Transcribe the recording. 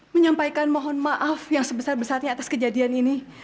menyampaikan mohon maaf yang sebesar besarnya atas kejadian ini